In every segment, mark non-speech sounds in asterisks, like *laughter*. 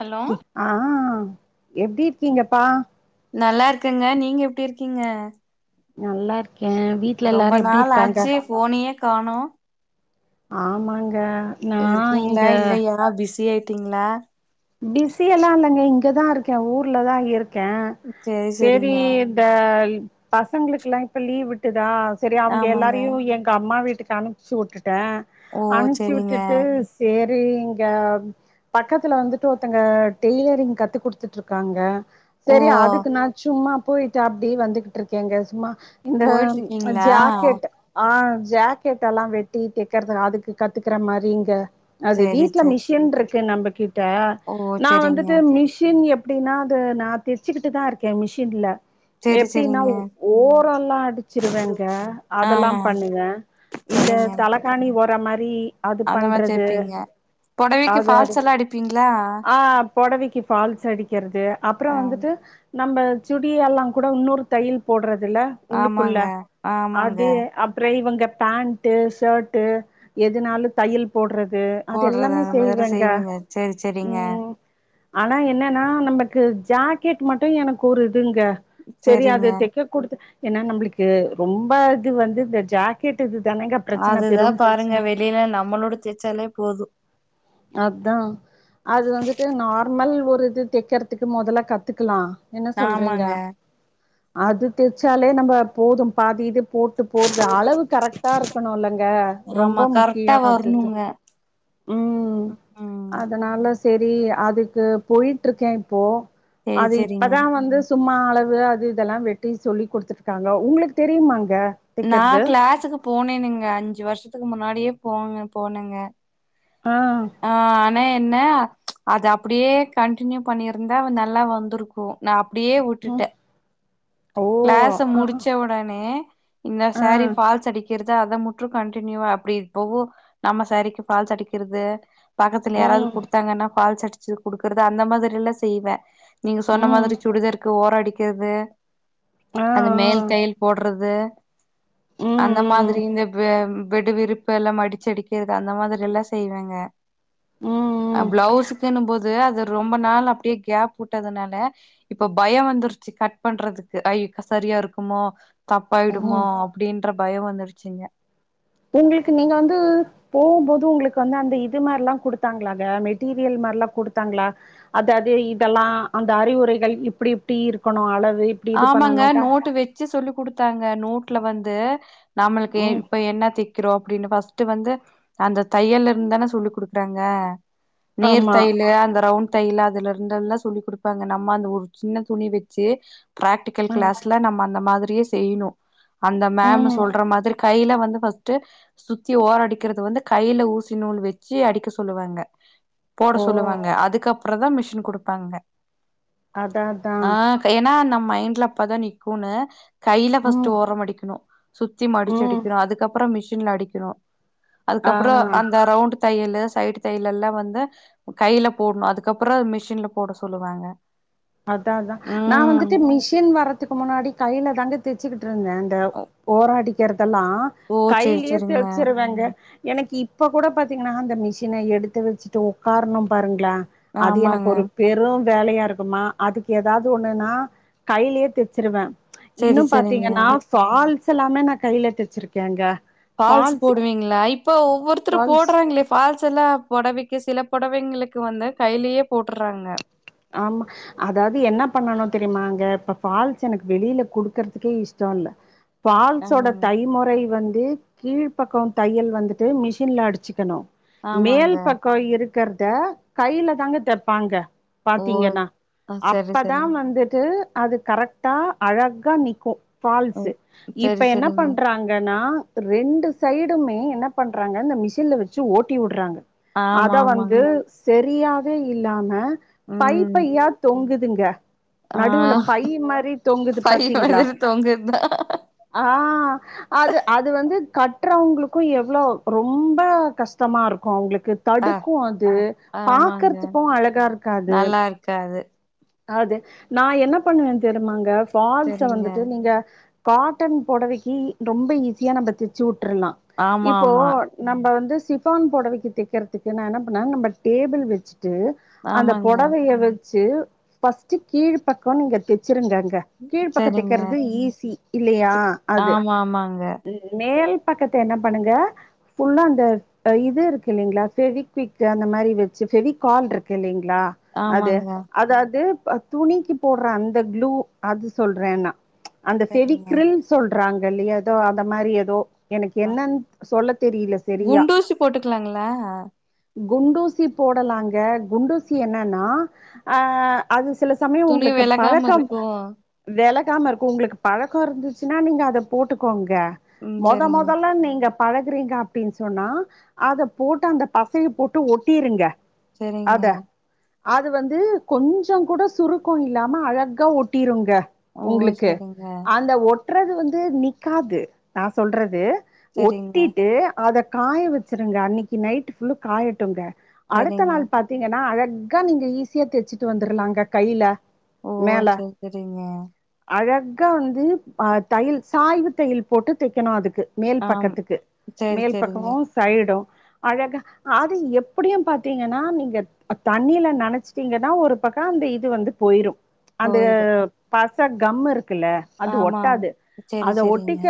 Hello ஆஹ் எப்டி இருக்கீங்கப்பா நல்லா இருக்கங்க நீங்க எப்டி இருக்கீங்க நல்லா இரு ரொம்ப நாள் ஆச்சு போனியே காணோ ஆமாங்க நா இருக்கீங்ளா இங்க இல்லயா பிஸி ஆய் ட்டீங்களா பிசியெல்லா இல்லங்க இங்கதா இருக்கே ஊர்லதா இருக் க்கே சேரி சரி சேரிங்க இந்த பசங்களுக்குல்லா இப்ப லீவ் விட்டுதா சரி அவங்க ஆமாங்க எல்லாரையு எங்க அம்மா வீட்டுக்கு *unintelligible* டே ஓ அனுப்ச்சி சேரிங்க வுட்டுட்டு சேர் அது இங்க பக்கத்துல வந்து ட்டு ஒருத்தங்க டெய்லரிங் கத்து குடுத்துட்டுருக்காங்க ஓ சரி அதுக்கு நா சும்மா போயிட்டு அப்டி வந்துட்டு இருக்கேங்க சும்மா இந்த போயிட்டு ச் இருக்கீங்களா ஜாக்கெட் ஆஹ் ஜாக்கட்டெல்லா வெட்டி தெக்கறது அதுக்கு கத்துக்கற மாரிங்க அது சேரி வீட்ல சேரி மிஷின் ருக் கு நம்பக்கிட்ட ஓ நா சேரிங்க வந்துட்டு மிஷின் எப் டின்னா அது நா தெச்சுக்கிட்டுதா இருக்கே மிஷின்ல சேரி எப்டின்னா சேரிங்க ஓரல்லா அடிச்சிருவேங்க ஆ அதெல்லா பண்ணுவ இந்த சேரிங்க தலகாணி ஒர இப்ப மாரி அது அந்த மா பண்றது தெப்பீங்க. பொடவைக்கு ஃபால்ஸ் எல்லா அடிப்பீங்களா ஆஹ் பொடவைக்கு ஃபால்ஸ் அடிக்கிறது அப்புறோ ஆ வந்துட்டு நம்ப சுடியெல்லா கூட இன்னொரு தையல் போடுற துல்ல உள்ளுக்குள்ள ஆமாங்க ஆமாங்க அது அப்புறோ இவங்க பேண்டு, ஷேர்ட்டு எதுனாலு தையல் போடுற து அது எல்லாமே செய்வேங்க கீங்க ம் ஆனா என்னன்னா நமக்கு ஜாக்கெட் மட்டு எனக்கு ஒரு துங்க சரி அது சேரிங்க தெக்க குடுத் ஏன்னா நம்பளுக்கு ரொம்ப இது வந்து இந்த ஜாக்கெட் இது தானேங்க பிரச்சன அதுதா பெரும் பாருங்க பிரச்சன வெளியில நம்மளோட தச்சாலே போது அதா அது வந்துட்டு நார் மல் ஒரு இது தெக்கறதுக்கு முதலா கத்துக்லா என்ன சொல்றீங்க ஆமாங்க அது தெச்சாலே நம்ம போது பாதி இது போட்டு போறது. அளவு கரெக்டா இருக்கணு இல்லங்க ஆமா ரொம்ப முக்கியே கரெக்டா அது இது வரணுங்க உம் ம் அதனால ச் செரி அதுக்கு போயட்டுருக்கே இப்போ சேரி அது சேரிங்க இப்பதா வந்து சும்மா அளவு அது இதெல்லா வெட்டி சொல்லி கொடுத்துருக்காங்க உங்களுக்கு தெரியுமாங்க நா தைக்கிறது கிளாஸுக்கு போனேன்னுங்க அஞ்சு வருஷத்துக்கு முன்னாடியே போங்க போனுங்க ஆ ஆஹ்னே என்ன அது அப்டியே கண்டினியூ பண்ணியிருந்தா வ நல்லா வந்துருக்கு நா அப் டியே ம் விட்டுட்டே ஓ கிளாஸ ஆ முடிச்ச உடனே இன்ன ஆ சாரி ஃபால்ஸ் அடிக் கிறத அத முட்டு கண்டினியூவா அப்டி இப்பவு நம்ம சாரிக்கு ஃபால்ஸ் அடிக்கிறது பக்கத்துல யாராவது ம் குடுத்தாங்கன்னா ஃபால்ஸ் அடிச் சு குடுக்குறது அந்த மாதிரி எல்லா செய்வே நீங்க சொன்ன ம் மாதிரி சுடிதாராக்கு ஓரோ அடி க்குது ஆ ஆ அது மேல் தையல் போட்றது இது ம் அந்த ம் மாதிரி இந்த இப்ப பெட் விரிப்பு எல்லாம் மடிச்சடிக்கிறது அந்த மாதிரி எல்லா செய்வோங்க அ ம் ம் பிளவுஸுக்குன்னும் போது அது ரொம்ப நாள் அப்டியே கேப் விட்டதுனால இப்ப பயம் வந்துருச்சு கட் பண்றதுக்கு அ இப்ப சரியா இருக்குமோ தப்பாயிடுமா ம் அப்டின்னு ன்ற பயம் வந்துடுச்சுங்க உங்ளுக்கு நீங்க வந்து போகும்போது உங்ளுக்கு வந்து அந்த இது மாரல்லாம் குடுத்தாங்களாாக மெட்டீரியல் மாரல்லாம் குடுத்தாங்களா அது அது இதெல்லாம் அந்த அறிவுரைகள் இப்டி இப்டி இருக்குணு அளவு இப்டி இது ஆமாங்க பண்ணணுட்டா நோட்டு வச்சு சொல்லிகுடுத்து த்தாங்க நோட்டுல வந்து நம்மளுக்கு ம் இப்ப என்ன திக்கிறோம் அப்டின்னு ஃபஸ்ட் வந்து அந்த தையல்ல இருந்து தான சொல்லி கொடுக்குறாங்க நீர் ஆமா தையலு அந்த ரவுண்ட் தையல அதுல இருந்து எல்லாம் சொல்லி கொடுப்பாங்க நம்ம அந்த ஒரு சின்ன துணி வச்சு பிராக்டிக்கல் ம் கிளாஸ்ல நம்ம அந்த மாதிரி ரியே செய்ணும் அந்த மேம் ம் சொல்ற மாதிரி கையில வந்து ஃபர்ஸ்ட் சுத்தி ஓர அடிக்கறது வந்து கையில ஊசி நூல் வச்சு அடிக்க சொல்லுவாங்க போட ஓ சொல்லுவாங்க அதுக்கப் அப்பறம்தா மிஷின் குடுப்பாங்க அதா அதா ஆ ஏன்னா நம்ம ட்ல அப்பதா நிக்குனு கையில ஃபஸ்ட் ம் ஓரம் அடிக்கணும் சுத்தி ம் மடிச்சடிக்கணும் அதுக்கப்பறம் மிஷ ஷின்ல அடிக்கினும் அதுக்கப்பறம் ஆ அந்த ரவுண்ட் தையல் சைடு தையலல்லாம் வந்து கையில போடணும் அதுக்கப்பறம் மிஷின்ல போட சொல்லுவாங்க அதா அதா நான் ம் வந்துட்டு மிஷி சின் வறதுக்கு முன்னாடி கையில தாங்க தச்சுக்கிட்டு ட்ருந்தே அந்த ஓராடிக்கு தெல்லாம் ஓ செரி கையிலயே செரிங்க தெச்சிருவங்க எனக்கு இப்போ கூட பாத்தீங்கன்னா அந்த மிஷினை எடுத்து வச்சுட்டு உட்காரணும் பாருங்களா அது எனக்கு ஆமாங்க ஒரு பெரும் வேலையா இருக்குமா அதுக்கு ஏதாவது ஒண்ணுன்னா கையிலயே தெச்சிருவே இன்னு செரி செரிங்க பாத்தீங்கன்னா ஃபால்ஸ் எல்லாமே நா கையில தெச்சுருக்கேங்க ஃபால்ஸ் போடுவீங்களா இப்ப ஒவ்வொருத்தரு ஃபால்ஸ் போடுறாங்களே ஃபால்ஸ் எல்லா பொடவெக் சில பொடவைங்களுக்கு வந்து கையிலயே போட்டுறாங்க ஆமா அதாவது என்ன பண்ணணு தெரியுமா அங்க இப்ப ஃபால்ஸ் எனக்கு வெளியில குடுக்கறதுக்கே இஷ்டோ இல்ல ஃபால்ஸோட ஆமாங்க தைமுறை வந்து வே கீழ் பக்கோ தையல் வந்துட்டு மிஷின்ல அடிச்சுக்கணு மேல் ஆமாங்க பக்கோ இருக் இருக்கற்த கையில தாங்க தெப்பாங்க ஓ பாத்தீங்கன்னா ஆ சரி அப்பதா சரி வந்துட்டு அது கரெக்ட்டா அழகா நிக்கு ஓ ஃபால்ஸு சரி இப்போ என்ன சரிங்க பண்றாங்கன்னா ரெண்டு சைடுமே என்ன பண்றாங்க இந்த மிஷின்ல வச்சு ஓட்டி உடுறாங்க ஆமா அத வந்து ஆமாங்க செரி ப்ரியாவே இல்லாம பை ம் பையா தொங்குதுங்க ஆ நடுவுல பைய் மாரி தொங்குது பை பாத்தீங்களா மாதிரி தொங்குதா ஆ அது அது வந்து கட் கட்றவங்களுக்கு எவ்ளோ ரொம்ப கஷ்டமா இருக்கும் அவுங்களுக்கு ஆ தடுக்கு அது ஆமாங்க பாக்குறதுக்கு அழகா இருக்காது நல்லா இருக்கே அது அது நா என்ன பண்ணுவே தெரியுமாங்க ஃபால்ஸ செரிங்க வந்துட்டு நீங்க காட்டன் பொடவக்கி ரொம்ப ஈஸியா நம்ம தெச்சு வுட் றலா ஆமா இப்போ ஆமா நம்ம வந்து சிஃபான் பொடவைக்கி தைக்கிறதுக்கு நா என்ன பண்ணே நம்ம டேபுள் வச்சு ட்டு அந்த ஆமாங்க பொடவைய வெச் ச்சு பஸ்ட்டு கீழ் பக்கோ நீங்க தெச்சு இருங்கங்க கீழ் பக்கோ சரிங்க தெக்கிறது ஈஸி இல்லையா அது ஆமா ஆமாங்க மேல் பக்கத்த என்ன பண்ணுங்க ஃபுல்லா அந்த இது இருக்குல்லீங்களா பெபிகுய்க் அந்த மாரி வெச்சுட்டு பெபி கால் இருக்கு இல்லங் லா அது ஆமாங்க அது அத் து துணிக்கு போட்ற அந்த க்ளூ அது சொல்றே நா அந்த சரிங்க ஃபெவிக்ரில் சொல்றாங் லல்லியாதோ அந்த மாரி எதோ எனக்கு அ என்னன் சொல்ல குண்டூசி போட்டுக்கலாங்களா குண்டூசி போடலாங்க குண்டூசி என்னனா ஆ அதுஸ் தில சமயொம் துணி ஒங்ளுக்கு வெலகாம பழக்கம் இருக்கு வெலக் காமற்க்கு உங்ளுக்கு பழக்கோர்ந்துச்சுன்னா நீங்க அத போட்டுக்கோங்க க ம் மொத சரிங்க மொதல நீங்க பழகுறீங்க அப்டின் சொன்னா அத போட்டு அந்த பசய போட்டு ஒட்டீருங்க செரிங்க அது வந்து கொஞ் ச்சொங்கூட சுருக்கொம் இல்லாம அழகா ஒட்டிருங்க ஓ ஒங்ளுக்கு சரிங்க அந்த ஒட் ட்றது வந்து நிக்காது நா சொல்றது சரிங்க ஒட்டிட்டு அத காய வச்சுருங்க அன்னிக்கி நைட்டு் ஃபுல்லு காயட்டுங்க அடுத்த சரிங்க நாள் பாத்தீங்கன்னா அழக் க நீங்க ஈஸியா தெத்சிட்டு வந் துர்லாங்க கைல ஓ மேல சரி சரிங்க அழக் க்க வந்து ப தயில் சாய்வு தயில் போட்டு தெக்கணும் அதுக்கு மேல் ஆம் பக்கத்துக்கு சரி மேல் சரிங்க பக்கமு சைடும் அழக அது எப்புடியும் பாத்தீங்கனா நீங்க அ தண்ணில நனச்டீங்கனா ஒரு பக்கா அந்த இது வந்து போயிரும் அந்து போயிரு பாஸ் ச கம்மரு குல அது ஆமா ஆம். ஒட்டாது சரி அத சரிங்க ஒட்டிக்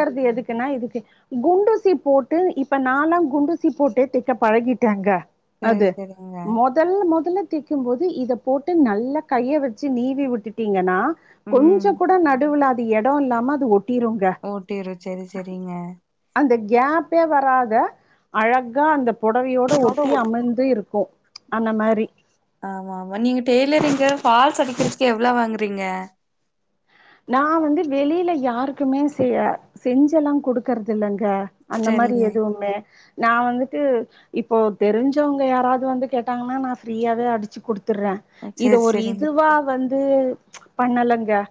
குண்டுசி போட்டு இப்ப நாளா குண்டுசி போட்டே தெக்க பழகிடேங்க சரி அது சரிங்க மொதல்ல மொதல திக்கிம் போது இத போட் டு நல்லா கைய வச்சு நீவி விட்டுட்டீங்கனா ம் கொஞ்ச கூட நடுவுலாத் தி எடொம்ல்லாம அது ஒட் ஓட்டிரு செரி செரிங்க அந்த கேப்பே வராத அழகா அந்த புடவையோட இதோட ஒட்டி ஒட்டிடும். அமைந்து இருக்கு ம்ச் அந்த மாரி இல்ல நீங்க பால்ஸ் அடிக்கறதுக்கு எவ்ளோ வாங்குறீங்க இருக்குமே செய்ய செஞ்செல்லா குடுக்கறது இல்லங்க அந்த மாரி சரிங்க எதுவு இல்ல நா வந்து இப்போ தெரிஞ்சவங்க யாராவது வந்து கேட்டாங்கன்னா நா ஃப்ரியாவே அடிச்சி குடுத் துறே இத சரி ஒரு சரிங்க இதுவா வந்து பண்ணல யா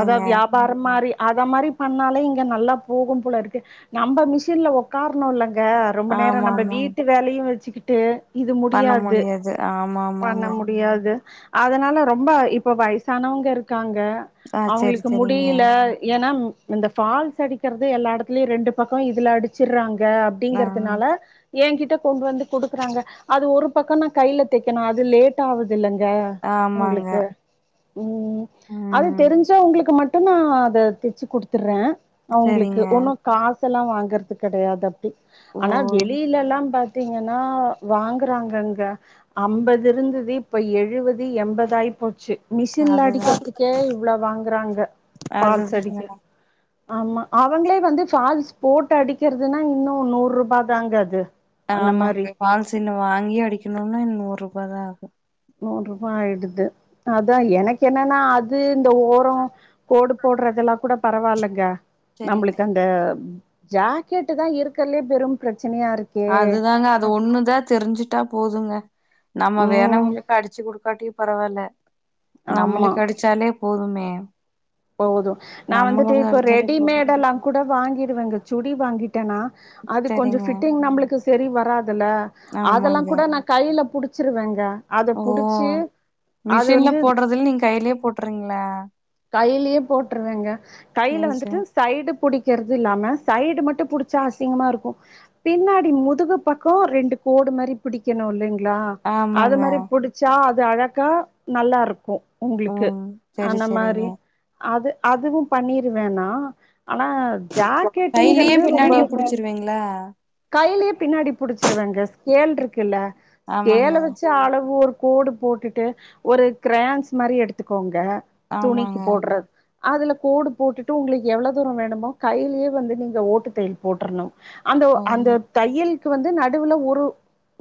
அதா வியாபாரோ மாறி அத மாரி பண்ணாலே இங்க நல்லா போகும் போல இருக்கு நம்ப மிஷின்ல ஒக்கார்ணு இல்லங் க ரொம்ப நேரோ ஆமா நம்ப ஆமா வீட்டு வேலையு வச்சு ட்டு இது பண்ண முடியாது ஆமா பண்ண ஆமாங்க முடியாது அதனால ரொம்ப இப்ப வயசானவங்க இருக்காங்க ஆ ஏ செரி அவுங்ளுக்கு செரிங்க முடில ஏன்னா இந்த பாஃல்ஸ் அடிக்கறதே எல்லா எடத்துலயு ரெண்டு பக்கோ இதுல அடிச்சர்றாங்க ஆ அப்டிங்கறதுனால ஏங்கிட்ட கொண்டு வந்து குடுக்குறாங்க அது ஒரு பக்கோ நா கைல தைக்கணு அது லேட் ஆவு இல்லங்க ஆமாங்க உங்ளுக்கு உம் அது ம் தெரிஞ் அதுக்கு மட்டு நா அத தெச்சி குடுத்தர்றே அவுங்ளுக்கு செரிங்க ஒன்னா காஷ் இதெல்லா வாங்கறது கெடையாது ஓ ஆனா வெளிலலா பாத் த்தீங்கன்னா வாங்குறாங்கங்க அம்பது இருந்தது இப்ப எழுவது எம்பதாயி போச்சி மிஷின்ல அதுதா அடிக்கறதுக்கே இவ்ளோ வாங் அங்க பால் அதுதாங்க செடிக்க ஆமா அவங்களே வந்து ஃபால்ஸ் போட்டு அடிக்கறதுன்னா இன்னோ நூற்ருபா தாங்க அது அந்த மாரி ஆமாங்க பால் சின்ன வாங்கி அடிக்கணும்னா இன்ன ஒரு ரோம்ப தா ஆகு நூறுரூபா ஆயிடுது அதா எனக்கு என்னன்னா அது இந்த ஓரோ கோடு போடுறதெல்லா கூட பரவாயில்லங்க செரிங்க நம்மளுக்கு அந்த ஜாக்கெட் தா இருக்கலேயே பெரும் பி அதுதாங்க அது ஒண்ணுதா தெரிஞ்சுட்டு ட்டா போதுங்க நம்ம ம் வேரவங்களுக்கு அடிச்சு குடுக்காட்டி பரவாயில்ல ஆமா நம்மளுக்கு அடிச்சாலே போதுமே ஆ போது நா வந்துட்டு இப்ப போது ரெடிமேட் எல்லா கூட வாங்கடுவேங்க சுடி வாங்கிட்டு டேனா அது கொஞ்சு. செரிங்க பிட்டிங் நம்மளுக்கு செரி வராதுல்ல அதெல்லா ஆமாங்க கூட நா கையில புடிச்சு சிருவங்கா அத ஓ மிஷின்ல வந்து போடுறதுல நீங்க கையிலயே போட்டுறீங்களா கையிலயே போட்டுருவங்க கையில சேரி சேரி வந்துட்டு சைடு புடிக்கருது இல்லாம சைடு மட்டு புடிச்சா அசிங்கமா இருக்கு பின்னாடி முதுகு பக்கோ ரெண்டு கோடு மாரி பிடிக்கணு இல்லங்களா ளா அது ஆமாங்க மாரி புடிச்சா அது அழகா நல்லா இருக்கு உங்களுக்கு ம் சேரி அந்த மாரி ரி சேரிங்க அது அதுவு பண்ணிருவேன்னா ஆனா கையிலயே ஜாக்கெட்டுங்கிறது ரொம்ப பின்னாடியே புடிச்சிருவீங்களா கையிலயே பின்னாடி புடிச்சு சிருவங்க ஸ்கேள் இருக்குல்ல ஸ்கேல ஆமாங்க வெச்சு அளவு ஒரு கோடு போட்டுட்டு ஒரு கிரேன்ஸ் மாரி எடுத்துக்கோங்க துணிக்கு ஆமாங்க போடுறது அதுல கோடு போட்டுட்டு உங்களுக்கு எவ்வளோ தூரோ வேணுமோ கையிலேயே வந்து நீங்க ஓட்டுத்தையல் போட்டுரணு அந்த ஓ அந்த தையல் வந்து நடுவுல ஒரு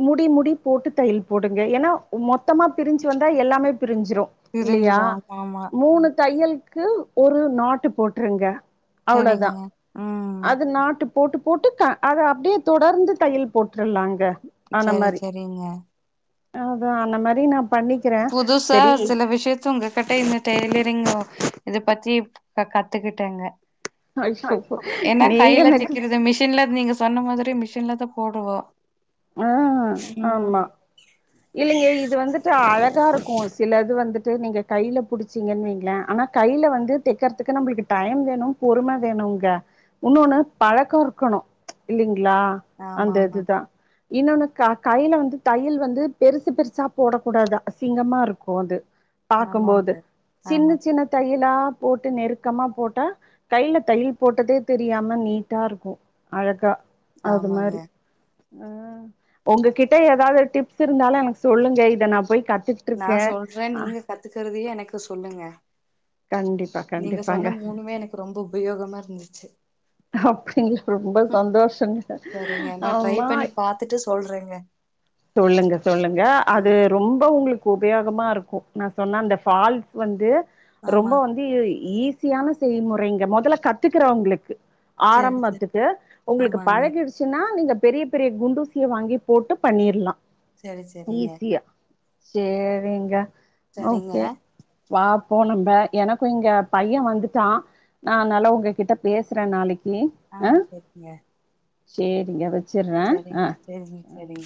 முடி முடி போட்டு தையல் போடுங்க ஏன்னா மொத்தமா பிரிஞ்சு வந்தா எல்லாமே பிரிஞ்சிரு இல்லையா பிரிஞ்சிரு ஆமா ஆமா ஒன்னு தையலுக்கு ஒரு நாட்டு போட்டுருங்க அவ்ளோதா சேரிங்க ம் அது நாட்டு போட்டு போட்டு க அத அப்பிடியே தொடர்ந்து தையல் போட்டு கல் நாங்க ஆன சேரி மாரி சேரிங்க அ அதா அந்த மாரி நான் புதுசா செல விஷயத்த உங்ககிட்ட ஆன்மா டெய்ல்யு ங்க இதை பத்தி இப்ப கத்துக்கிட்டாங்க ஐயோ ஏன்னா நீங்க கையில எனக்கு சிக்கது மிஷின்ல நீங்க சொன்ன மாரி மிஷின்லதா போடுவா ஆ ஆமா இல்லிங்க இது வந்துட்டு அழ தா இருக்கு சிலது வந்துட்டு நீங்க கையில புடிச்சீங்கன் வைங்கள ஆனா கைல வந்து தெக்கற்துக்கு நம்மளுக்கு டைம் வேணு பொறும வேணுங்க உன்னோன்னு பழக்கொ இருக்கணு இல்லிங் ளா ஆமா அந்த ஆமா இதுதா இன்னொன்னு க கைல வந்து தையல் வந்து பெருசு பெருசா போடக் கூடாது அசிங்கமா இருக்கு அது பாக்கம்போது ஆமாங்க ஆமா சின்னச் சின்ன தையலா போட்டு நெருக்கமா போட்டா கைல தையல் போட்டதே தெரியாம நீட்டா இருக்கு அழகா ஆமாங்க ஆ உங்கக்கிட்ட ஏதாவ்து டிப்ஸு இருந்தாலு எனக்கு சொல்லுங்க இத நா போய் கத் நா சொல்ற நீங்க கத்துக்கறதையு எனக்கு சொல்லுங்க கண்டிப்பா நீங்க கண்டிப்பாங்க சொன்ன மூணுமே எனக்கு ரொம்ப உபயோகமா இருந்து அப்டிங் ரொம்ப சந்தோஷங்க சரிங்க நா ட்ரை ஆமா பண்ணி பாத்துட்டு சொல்றேங்க சொல்லுங்க சொல்லுங்க அது ம் ரொம்ப உங்களுக் கு உபயோகமா இருக்கு நா சொன்னா அந்த ஃபால்ஸ் வந்து ஆமா ரொம்ப வந்து ஈஸியான செய்முறைங்க மொதல்ல கத்துக்குறவங்களுக்கு சரி சரி ஆரம்பத்துக்கு உங்களுக்கு ஆமாங்க பழகிடுச்சுன்னா நீங்க பெரிய பெரிய குண்டூசிய வாங்கிப் போட்டுப் பண்ணிர்லா சேரி சேரிங்க ஈஸியா சேரிங்க ஓகே வா போனம்ப எனக்கு இங்க பைய வந்துட்டா நா அனால உங்கக்கிட்ட பேசுற நாளைக் ஆ சேரிங்க சேரிங்க சுர்ற சரிங்க அ சரிங்க